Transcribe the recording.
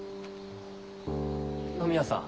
野宮さん。